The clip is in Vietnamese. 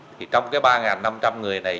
thì trong cái ba năm trăm linh người này